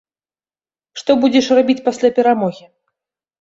Што будзеш рабіць пасля перамогі?